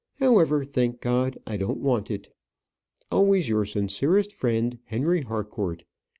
However, thank God, I don't want it. Always your sincerest friend, HENRY HARCOURT.